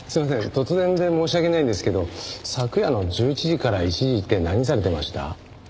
突然で申し訳ないんですけど昨夜の１１時から１時って何されてました？